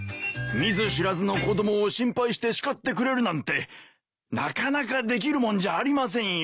見ず知らずの子供を心配して叱ってくれるなんてなかなかできるもんじゃありませんよ。